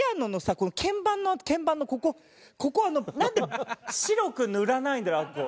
この鍵盤の鍵盤のここここあのなんで白く塗らないんだろう？